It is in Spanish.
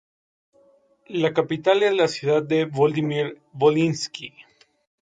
La capital es la ciudad de Volodímir-Volinski.